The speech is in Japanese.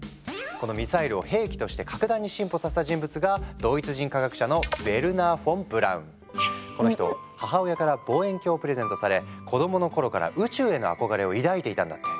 このミサイルを兵器として格段に進歩させた人物がこの人母親から望遠鏡をプレゼントされ子供の頃から宇宙への憧れを抱いていたんだって。